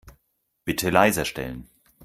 Bitte leiser stellen.